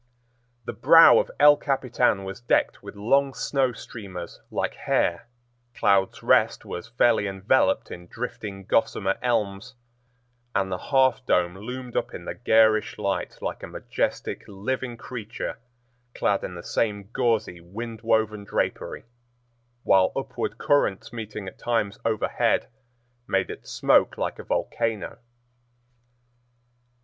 The brow of El Capitan was decked with long snow streamers like hair, Clouds' Rest was fairly enveloped in drifting gossamer elms, and the Half Dome loomed up in the garish light like a majestic, living creature clad in the same gauzy, wind woven drapery, while upward currents meeting at times overhead made it smoke like a volcano.